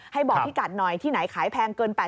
ให้บอกพี่กัดหน่อยที่ไหนขายแพงเกิน๘๐๐